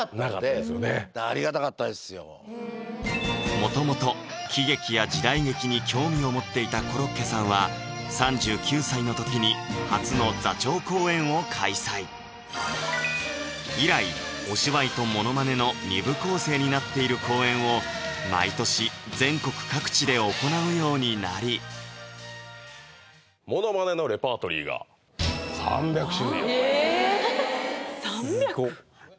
もともと喜劇や時代劇に興味を持っていたコロッケさんは３９歳の時に初の座長公演を開催以来お芝居とものまねの２部構成になっている公演を毎年全国各地で行うようになりものまねのレパートリーが３００⁉え！